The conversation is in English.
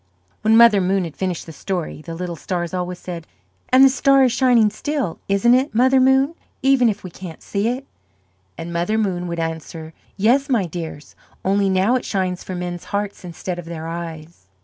When Mother Moon had finished the story the little stars always said: "And the star is shining still, isn't it, Mother Moon, even if we can't see it?" And Mother Moon would answer: "Yes, my dears, only now it shines for men's hearts instead of their eyes."